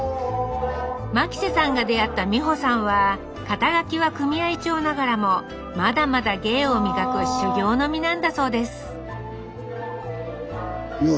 牧瀬さんが出会った美保さんは肩書は組合長ながらもまだまだ芸を磨く修業の身なんだそうです美保